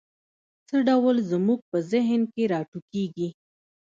څه ډول زموږ په ذهن کې را ټوکېږي؟